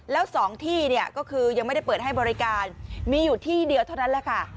แล้ว๒ที่เนี่ยก็คือยังไม่ได้เปิดให้บริการมีอยู่ที่เดียวเท่านั้นแหละค่ะ